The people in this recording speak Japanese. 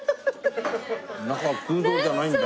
中空洞じゃないんだ。